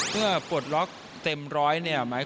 เพื่อปวดล๊อคเต็มร้อยไหม